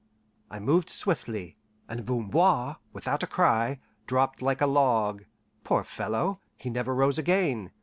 I moved swiftly, and Bamboir, without a cry, dropped like a log (poor fellow, he never rose again!